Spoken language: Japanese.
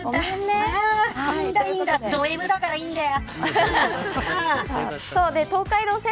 どＭだからいいんだよ。